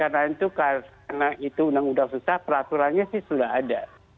nah karena itu undang undang susah peraturannya sudah ada